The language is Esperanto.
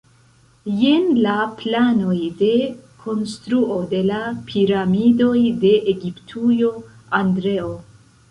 Jen la planoj de konstruo de la piramidoj de Egiptujo, Andreo.